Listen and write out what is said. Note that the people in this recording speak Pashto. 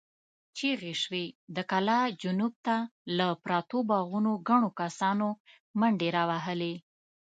چيغې شوې، د کلا جنوب ته له پرتو باغونو ګڼو کسانو منډې را وهلې.